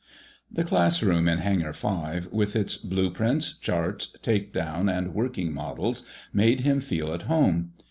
The classroom in Hangar V with its blueprints, charts, takedown and working models made him feel at home.